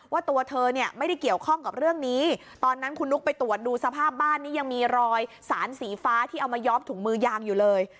ตัวเธอเนี่ยไม่ได้เกี่ยวข้องกับเรื่องนี้ตอนนั้นคุณนุ๊กไปตรวจดูสภาพบ้านนี้ยังมีรอยสารสีฟ้าที่เอามาย้อมถุงมือยางอยู่เลย